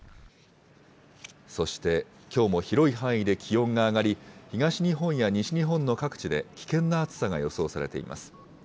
そして、きょうも広い範囲で気温が上がり、東日本や西日本の各地で危険な暑さが予想されています。